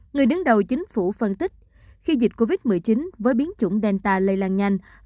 người đứng đầu chính phủ phân tích khi dịch covid một mươi chín với biến chủng delta lây lan nhanh